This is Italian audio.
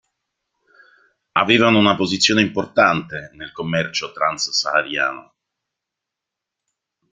Avevano una posizione importante nel commercio trans-sahariano.